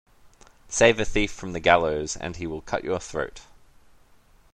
Save a thief from the gallows and he will cut your throat.